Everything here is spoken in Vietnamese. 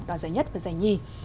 đoạt giải nhất và giải nhì